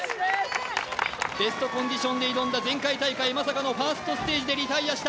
ベストコンディションで挑んだ前回大会、まさかのファーストステージでリタイアした。